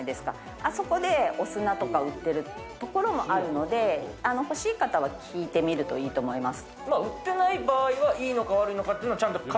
あそこでお砂とか売ってるところもあるので、欲しい方は聞いてみるといいと思います。